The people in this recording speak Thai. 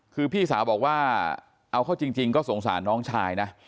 คือพี่สาวบอกว่าเอาเข้าจริงก็สงสารน้องชายนะ